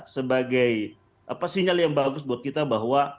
sebagai sinyal yang bagus buat kita bahwa